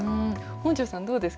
本上さん、どうですか。